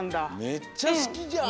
めっちゃすきじゃん。